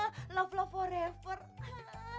kalau iya ini mahasiswa gue lima lah